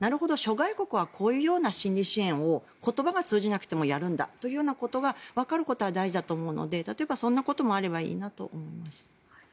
諸外国はこういうような心理支援を言葉が通じなくてもやるんだということが分かることが大事だと思うので例えばそんなこともあればいいなと思います。